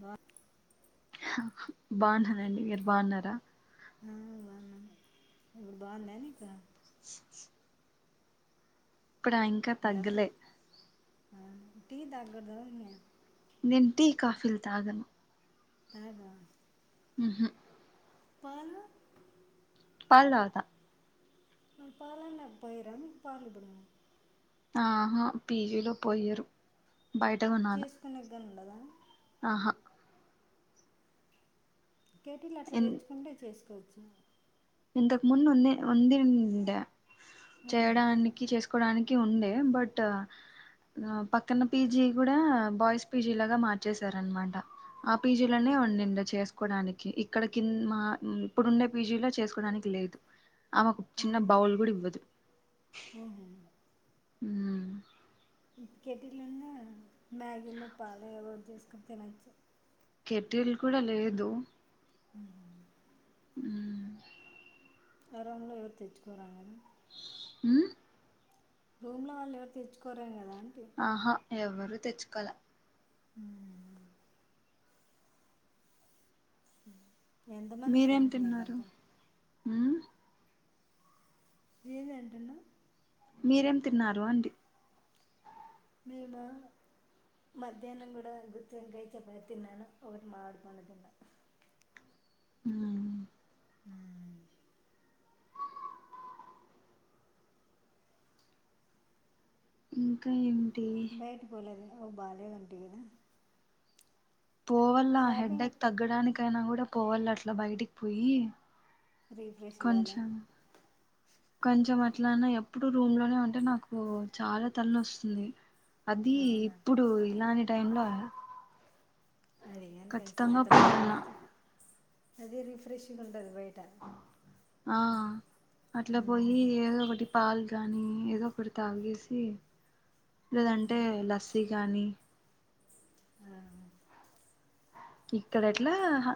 వ బాగున్నానండి మీరు బావున్నరా హుమ్ బావుందా నీకు ఇప్పుడ ఇంక హలో తగ్గలే టీ తగుడదా అమ్మ నేను టీ కాఫీల్ తాగను తాగవ హుహూ ప పల్ తాగుతా క్ పాలైన పోయిరా మీకు పాలు ఎప్పుడు ఆహా పీజీలో పోయ్యారు బయటకు కోన్నాల గన్ ఉండదా ఆహా కేెటీల్ అట్లా ఇన్ తెచ్చుకుంటే చేసుకోవచ్ అ ఇంతకు ముందు ఉనయ్ వంది వందింట అవునా? చేయడానికి చేసుకో కోడానికి ఉండే బట్ పక్కన పీజీ కూడా బాయ్స్ పీజీ లాగా మార్చేశార అనమాట ఆ పీజీలోనే ఉండిఉండే చే కోడానికి ఇక్కడ కింద ఇప్పుడుండే పీజీ లో చేసు కోడానికి లేదు ఆమెకు చిన్న అవును. బౌల్ కూడా ఇవ్వదు అవునా? ఉమ్ కెటీల్ ఉన్న మ్యాగీనో పాలో ఏదో ఓటి చేసుకుని తినచ్చు కెటీల్ కూడా లేదు ఉహు మ్మ్ అరం ఎవరు తెచ్చుకోరా మ్మ్ రూమ్ లో వాళ్ళు ఎవరు తెచ్చుకోరెమో కదా ఆంటీ ఆహా ఎవరు ఎరు తెచ్చుకోల అ హ ఎంతమంది ఫ్రెండ్స్ నికంత మ్మ్ ఏమి ఏంటున్నావ్ మీరేం తిన్నారు అంటి మేమ మధ్యానం కూడా గుతివంకయ్ చపా తిన్నాను ఒకటి మామిడి పండు తిన్నా మ్మ్ ఆ ఇంకా ఏంటి బాలే అంటి కదా పోవల్ల షాపింగ్ హెడ్డేక్ తగ్గడానికైనా ఇట్లా పోవాలి అట్లా బయటికి పోయి రీఫ్రెష్ కాలే కొంచం కొంచం అ ఎట్లనా ఎప్పుడు రూమ్ లోనే ఉంటే నాకు చాలా తల నోస్తుంది అది అవునా ఇప్పుడు ఇలానే టైంలో అదియాను కలిసి ఖచ్చితంగా అట్లా బయటికి పోవాల పోతే అదే రిఫ్రెష్గ్ ఉంటది బయ్ డ ఆ అట్లా పోయి ఏదోకటి పాల్ గాని ఏదో ఒకటి తాగేసి లేదంటే లస్సీ గానీ ఆ ఇక్కడ ఎట్లా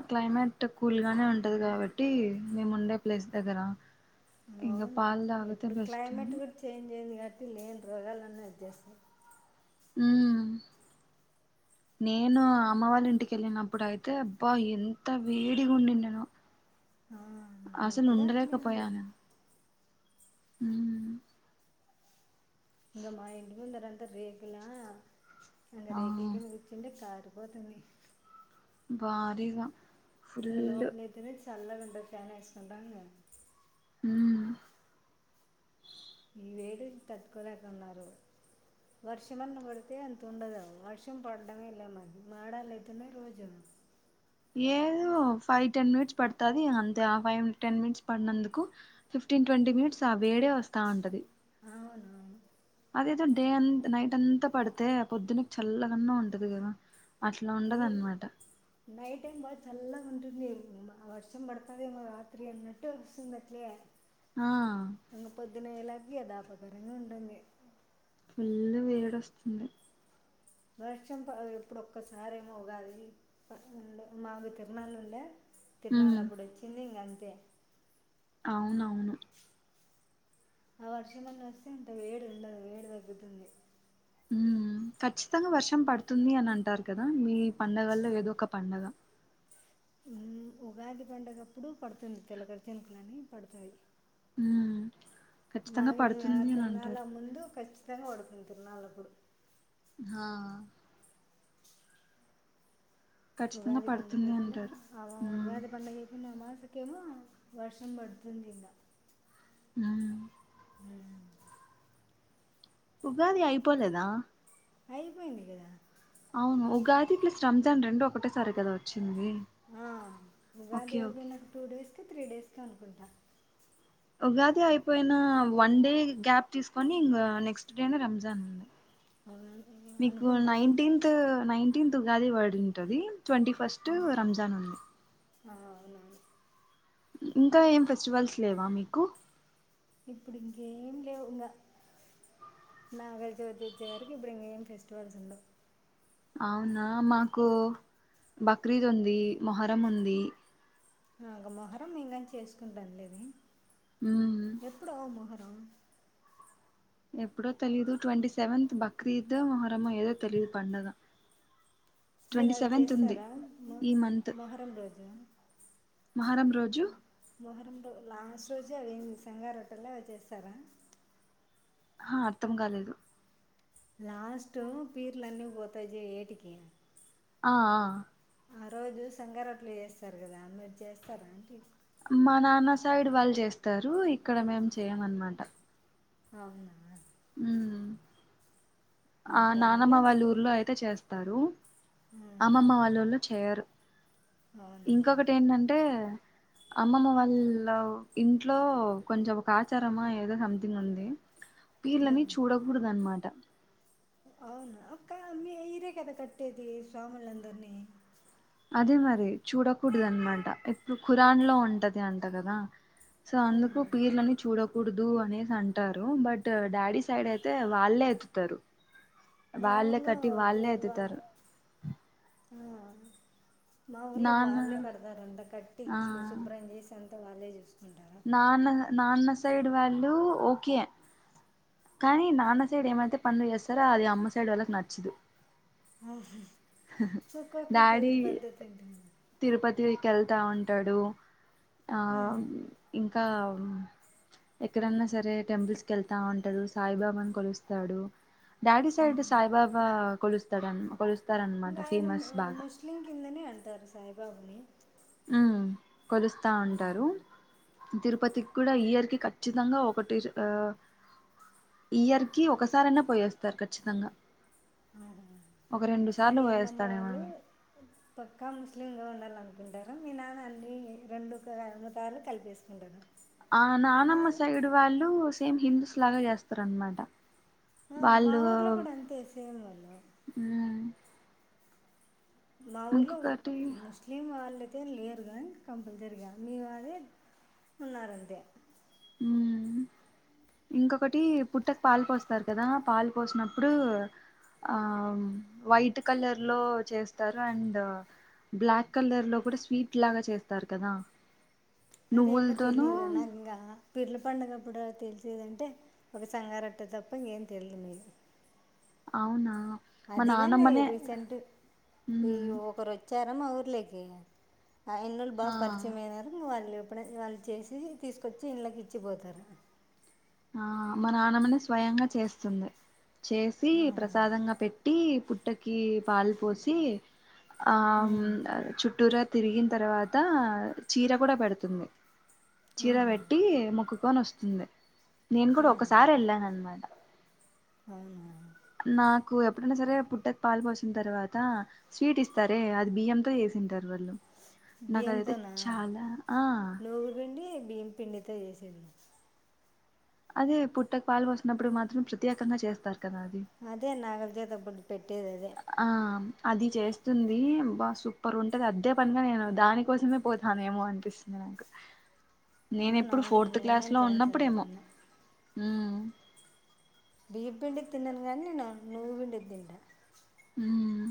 క్లైమేట్ కూల్ గానే ఉంటది కాబట్టి మేము ఉండే ప్లేస్ దగ్గర ఇంకా అవును పాలు తాగితే ఇప్పుడు బెస్ట్ అని క్లైమేట్ కూడా చేంజ్ అయింది కా టి లేని రోగాలన్నీ వచ్చేస్తాయ్ ఉమ్ నేను అమ్మ వాళ్ళ ఇంటికి వెళ్ళినప్పుడు అయితే అబ్బా ఎంత వేడిగా ఉండి ననో ఆ అసలు ఇప్పుడు ఉండలేక అట్లే ఉంది పోయాను ఉమ్ ఇంగ మా ఇంటిముందరంత రేకుల అంగ ఆ రేకులకింద కూర్చుంటే కారు పోతన్నామ్ భారీగా ఇంగ ఫుల్ లోపల చల్లగుంటడి ఫ్యాన్ వేసుకుంటా అన్నర్ ఉమ్ ఈ వేడి తట్టుకోలేకన్నారు వర్షమన్న పడితే అంత ఉండదు వర్షం పడడమే లేమాది మాడాలతునే రోజు ఏదో ఫైవ్ టెన్ మినిట్స్ పడుతది అంతే ఆ ఫైవ్ టెన్ మినిట్స్ పడినందుకు ఫిఫ్టీన్ ట్వంటీ మినిట్స్ ఆ వేడే వస్తా ఉంటది అవునవును అదేదో డే అంత నైట్ అంతా పడితే పొద్దున్న చల్ల గన్నా ఉంటది కదా అట్లా మీ ఉండదన్నమాట నైట్ టైం బా చల్లగా ఉంటుంది వర్షం పడుతుదేమో రాత్రి అన్నట్టు వస్తుంది అట్లే ఆ నేలాకి థాపకరంగా ఉంటుంది ఫుల్లు వేడి వస్తుంది వర్షం ఇప్పుడు ఒక్కసార ఏమోగాదు ఉండ మావి తిరనాలు ఉండే ఉమ్ తిరనాలప్పుడోచ్చింది ఇంగ తే అవునవును ఆ వర్షమని వస్తే ఇంత వేడి ఉండదు వేడి తగ్గుతుంది ఉమ్ ఖచ్చితంగా వర్షం పడుతుంది అని అంటారు కదా మీ పండగల్లో ఏదో ఒక పండగ ఉగాది పండగప్పుడు పడుతుంది తొలకరి చినుకులని పడుతుంది ఉమ్ ఖచ్చితంగా మగ ఏంకా పడుతుంది అని అంటారు తరునాల ముందు క కచ్చితంగా వడుకుంది తురునాలప్పుడు హా ఖచ్చితంగా ఉగాది పండు పడుతుంది కేపైన అంటారు అ ఉమ్ ఉగాది పండుగ అయిపోయిన అమాస ఓకేమ వర్షం పడుతుందింద ఆ ఉగాది అయిపోలేదా అయిపోయిందికదా అవును ఉగాది ప్లస్ రంజాన్ రెండు ఒకటే సారి కదా వచ్చి ఆ ఉగాది ఓకే అయిపోయిన టు డేస్ కి త్రీ డేస్ కి అనుకుంటా ఉగాది అయిపోయిన వన్ డే గ్యాప్ తీసుకొని ఇంకా నెక్స్ట్ డేనే రంజాన్ అవునా మీకు అనుకుంటా నైన్టీన్త్ నైన్టీన్త్ ఉగాది వర్డింటది ట్వంటీ ఫస్ట్ రంజాన్ ఉంది ఆ అవును అవును ఇంకా ఏం ఫెస్టివల్స్ లేవా మీకు ఇప్పుడు ఇంకేం లేవు ఇంకా నాగల చవితి వచ్చేవరకు ఇప్పుడు ఇంకేం ఫెస్టివల్స్ ఉండవు అవునా మాకు బక్రీద్ ఉంది మొహరం ఉంది నాగ మొహరం మేము గానీ చేసుకుంటాం మ్మ్ ఎప్పుడు ఆవు మొహ ఎప్పుడో తెలిదు ట్వంటీ సెవెంత్ బక్రీదు ఓ మోహరము ఏదో తెలీదు పండుగ మీరు అవి చేస్తారా మ మొహరం రోజు మహరం రోజు మొహరం లో లాస్ట్ రోజు అవి సంగార రొట్టెలు చేస్తారా ఆ అర్థం కాలేదు లాస్ట్ పీర్లు అన్నీ పోతాయి జె ఏటికి ఆ ఆ ఆ రోజు సంగరట్లు చేస్తారు కదా మీరు చేస్తారా అంటి మా నాన్న సైడ్ వాళ్ళు చేస్తారు ఇక్కడ మేము చేయమ్ అనమాట అవునా ఆ నానమ్మ టౌన్లో వాళ్ళ ఊర్లో అయితే చేస్త్ తరు అంత అమ్మమ్మ వాళ్ళళ్ళు చేయరు అవునా ఇంకొకటి ఏంటంటే అమ్మమ్మ వాళ్ళ ఇంట్లో కొంచెం కాచారమా ఏదో సం ఉంది పీర్లని చూడకూడదు అనమాట [inaudible] అవును అక్క మీరే కదా కట్టేది స్వామిలందరిని అదే మరి చూడకూడదు అనమాట ఎప్పుడు ఖరాన్ లో ఉంటది అంట కదా సో ఆహా అందుకు పీర్లని చూడ కూడదు అనేసి అంటారు బట్ డాడీ సైడ్ అయితే వాళ్ళే ఎతుతారు మా వాళ్లే ఊర్లో కట్టి వాళ్ళే దువా ఎత్తుతారు ఆ మా ఊర్లో నాన్న వాళ్ళే కడతారు అంత కట్టి ఆ ఇట్లు శుభ్రం చేసి అంత అంతా వాళ్లే చూసుకుంది నాన్న నాన్న సైడ్ వాళ్ళు ఓకే కానీ నాన్న సైడ్ ఏమైతే పనులు చేస్తారో అది అమ్మ సైడ్ వాళ్ళకి నచ్చదు హా ఒక్కక్క డాడీ తీరు పద్ధతి తిరుపతికి వెళ్తా ఉంటాడు ఆ ఇం ఇంకా ఎక్కడైన్నా సరే టెంపుల్స్ కెళ్తా ఉంట అట్టదు సాయిబాబాని కొలుస్తాడు డాడి సైడ్ సాయిబాబా కోలు ఇస్తం ఒక ఇంకా ఆయన ముస్లిం కిందనే అంటారు సాయిబాబుని ఆ కొలుస్తా ఉమ్. ఉంటారు తిరుపతికి కూడా ఇయర్ కి ఖచ్చితంగా ఒకటి ఆ ఇయర్ కి ఒకసారయినా పోయేస్తారు ఖచ్చితంగా అద ఒక రెండు సార్లు మీ అమ్మమ్మ పోయేస్తాడేమో వాళ్ళు పక్కా ముస్లిం గా ఉండాల అనుకుంటారు మీనా దన్నన్ని రెండు అమతార్లు కలిపేసుకుంటారు ఆ మా నానమ్మ సైడ్ వాళ్ళు సేమ్ హిందస్ లాగా చేస్తారు అన్నమాట ఆ మా ఊర్లో కూడా అంతే సేమ్ వల మ్మ్ మా ఊర్లో ఇంకొకటి ముస్లిం వాళ్ళ అయితే లేరు కానీ కంపల్సరిగా మీ అదే ఉన్నారుంతే మ్మ్ ఇంకొకటి పుట్టకు పాలు పోస్తారు కదా పాలు పోసినప్పుడు. ఆ వైట్ కలర్ లో చేస్తారు. అండ్ బ్లాక్ కలర్ లో కూడా స్వీట్ లాగా చేస్తారు. కదా అదేమ నువ్వులతోనూ తెలియదుదన్నా ఇంకా పిరుల పడుగప్పుడు తెలిసేదంటే ఒక సంగారట్ట తప్ప ఏం తెలియదు మీరు అవునా మా అది కాండి నానమ్మనే రీసెంట్ ఈ మ్మ్ ఒకరు వచ్చారు అమ్మ ఊర్లకి ఆ ఎన్నోళ్బాగా ఆ పరిచయయం అయినారు వాళ్ళు ఎప్పుడ వాళ్ళు చేసి తీసుకొచ్చి ఇంలోకి ఇచ్చిపోతారు ఆ మా నాన్నమనే స్వయంగా చేస్తుంది చేసి ఆహా. ప్రసాదంగా పెట్టి పుట్టకి పాలు పోసి హా మ్ ఉమ్. చుట్టూరా తిరిగిన తర్వాత చీర కూడా పెడుతుంది చీరా ఆహా. పెట్టి ముకు కొను వస్తుంది నేను కూడా ఉహు. ఒకసారి వెళ్ళాను అన్ మాట అవునా నాకు ఎప్పుడైనా సరే పుట్టకు పాలు పోసిన తర్వాత స్వీట్ ఇస్తారే అది బియ్యంతో చేసింటారు వాళ్ళు నాకు అదైతే బియ్యంతోనా చాలా ఆ నువ్వు పిండి బియ్యం పిండితో చేస్ సర అదే పుట్టకు పాలు వసినప్పుడు మాత్రం ప్రత్యేకంగా చేస్తారు కదా అది అదే నాగల దేద్ [unintelligible] పెట్ ఆ అది చేస్తుంది ది బా సూపర్ ఉంటది అదే పనిగా నేను దాని కోసమే పోతాను ఏమో అనిపిస్తుంది నాకు నేన్ ఎప్పుడు అవునవును ఫోర్త్ నేను క్లాస్ కానీ లో చాలా సార్లు ఉన్నప్పుడేమో తిన్నా హూ మ్ బియ పిండి తినన్ కానీ నేను నువ్వు పిండి తింట హుమ్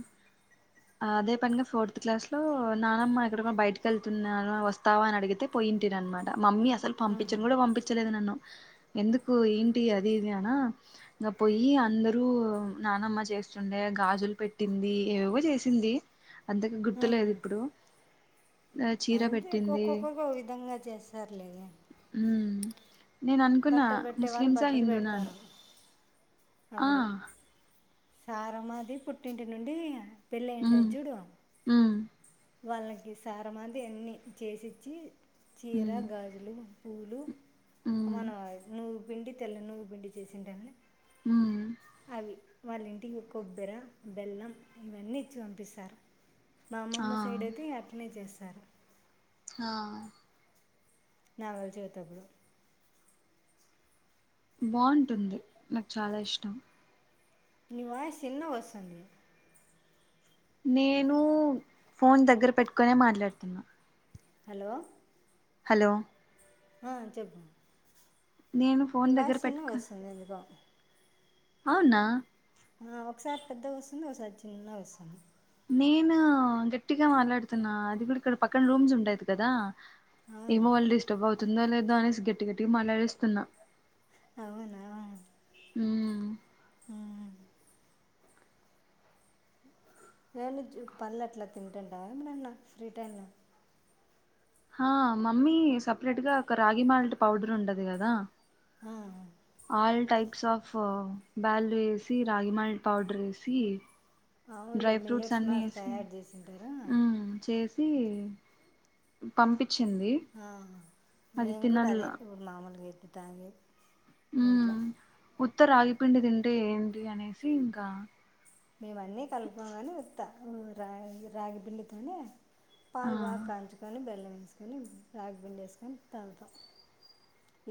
అదే పనిగా ఫోర్త్ క్లాస్ లో నానమ్మ ఎక్కడ కూడా బయటకి వెళ్తున్నాను వస్తావా అని అడిగితే పోయింటర అనమాట మమ్మీ అసలు ఆహా. పంపించని కూడా పంపించలేదు నన్ను ఎందుకు ఏంటి అది ఇది అనా ఇంకా పోయి అందరూ నానమ్మ చేస్తుండే గాజులు పెట్టింది ఏవవో చేసింది అందుకు గుర్తులేదు ఆహా. ఇప్పుడు చీర అంతే పెట్టింది ఒక్కొక్క ఒక విధంగా చేస్తారు లేండి హుమ్ నేను అనుకున్నా పెట్టే వాళ్ళు ముస్లిమ్సా బట్టలు హిందూనా అని పెడతారు ఆ సారం అది పుట్టింటి నుండి పెళ్ళి ఉమ్ అయింటాది జుడు ఉమ్ వాళ్ళకి సారమాది అన్నిీ చేసిచ్చి చీరా ఉమ్ గాజులు పూలు అ ఉమ్ మన [unintelligible] పిండి తెల్ల నువ్వు పిండి చేసిండని ఉమ్ అవి వాళ్ళ ఇంటికి కొబ్బరి బెల్లం ఇవన్నీ ఇచిపంపిస్తారు మా ఆ అమ్మమ్మ సైడ్ అయితే అట్నే చేస్తాం ఆ నాగులచవితి అప్పుడు బాగుంటుంది నాకు చాలా ఇష్టం నీ వాయిస్ చిన్న వస్తుంది నేను ఫోన్ దగ్గర పెట్టుకునే మాట్లాడుతున్నా హలో హలో ఆ చెప్పు నేను నీ ఫోన్ దగ్గర వాయిస్ చిన్నగా పెట్టుకు వస్తుంది ఎందుకో అవునా ఆ ఒకసారి పెద్ద వస్తుంది ఒకసారి చిన్న వస్తుంది నేను గట్టిగా మాట్లాడుతున్నా అది కూడా ఇక్కడ పక్కన రూమ్స్ ఉండది కదా అవును ఏమో వాళ్ళు డిస్టర్బ్ అవు తుందో లేదో అనేసి గట్టి గట్టికి మాట్లాడేస్తున అవునావు ఉ ఆ ఏం పండులు అట్లా తింటాంటా ఏమనన్న ఫ్రీ టైమ్ంలో ఆ మమ్మీ సపరేట్ గా ఒక రాగి మాల్ట్ పౌడర్ ఉండది కదా ఆ, ఆల్ టైప్ స్ ఆఫ్ బ్యాల్ వేసి రాగిమల్ పౌడ వేసి అవునులే డ్రై ఫ్రూట్స్ మిల్లెట్స్ అన్ని మాస్ వేసి తయారు చేసింటారు చేసి పంపి ఆ నేను కూడా అదే తినల్లా ఊరు మామూలుగ ఇతా ఇంట్లో ఉమ్ ఉత్త రాగిపిండి తింటే ఏంటి అనేసి ఇంకా మేము అన్నీ కలుపుకొని కానీ రగి పిండితోనే ఆ పాల బాగా కాంచుకొని బెల్లం తీసుకొని రాగ పిండి వేసుకొని తాగుతాం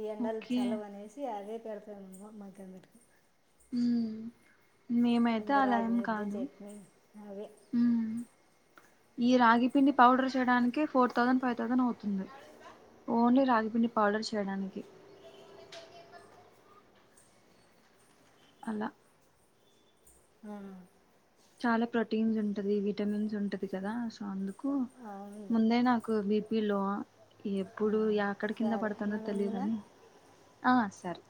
ఈ ఎండలు ఓకే చలవ అనేసి అదే పెడతాధామ మాకందరికి ఉమ్ మేమైతే ఇంకా అలా రాగి ఏం ముద్ద కాను చట్నీ అవే హు ఈ రాగిపిండి పౌడర్ చేయడానికి ఫోర్ థౌసండ్ ఫైవ్ థౌసండ్ అవుతుంది ఓన్లీ రాగిపిండి పౌడర్ చేయడానికి అలా ఆ చాలా ప్రోటీన్స్ ఉంటది విటమిన్స్ ఉంటది కదా సో అందుకు కు అవును ముందే నాకు బిప్ పిలో ఎప్పుడు ఎక్కడ కింద సరే పడతానో మనందున తెలియదని ఆ సార్